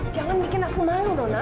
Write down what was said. jangan bikin aku malu dong